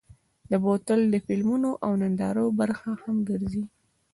بوتل د فلمونو او نندارو برخه هم ګرځي.